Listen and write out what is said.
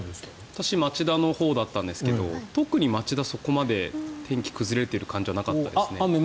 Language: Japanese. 私町田のほうだったんですが特に町田はそこまで天気が崩れている感じはなかったですね。